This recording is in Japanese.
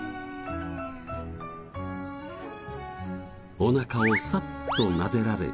お腹をサッとなでられて。